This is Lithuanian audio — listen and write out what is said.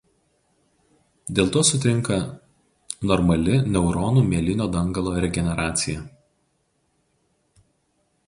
Dėl to sutrinka normali neuronų mielino dangalo regeneracija.